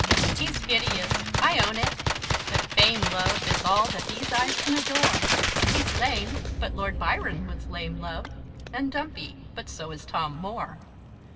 He's hideous, I own it. But fame, love, Is all that these eyes can adore; He's lame, but Lord Byron was lame, love, And dumpy, but so is Tom Moore.